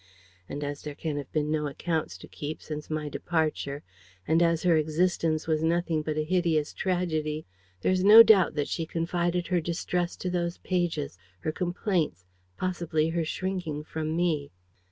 And as there can have been no accounts to keep since my departure and as her existence was nothing but a hideous tragedy, there is no doubt that she confided her distress to those pages, her complaints, possibly her shrinking from me."